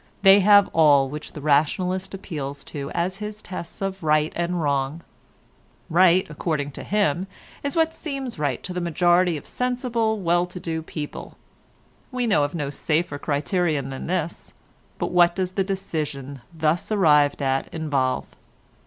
They have all which the rationalist appeals to as his tests of right and wrong. Right, according to him, is what seems right to the majority of sensible, well to do people; we know of no safer criterion than this, but what does the decision thus arrived at involve?